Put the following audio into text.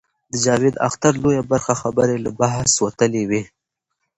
د جاوید اختر لویه برخه خبرې له بحث وتلې وې.